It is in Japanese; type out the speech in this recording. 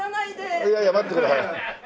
いやいや待ってください。